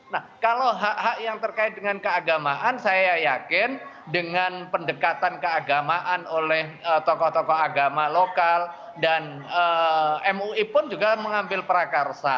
nah kalau hak hak yang terkait dengan keagamaan saya yakin dengan pendekatan keagamaan oleh tokoh tokoh agama lokal dan mui pun juga mengambil prakarsa